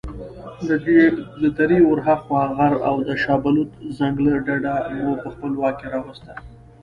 له درې ورهاخوا غر او د شابلوط ځنګله ډډه مو په خپل واک راوسته.